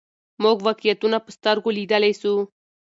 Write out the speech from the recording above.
موږ واقعیتونه په سترګو لیدلای سو.